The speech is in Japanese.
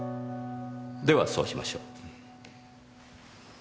ではそうしましょう。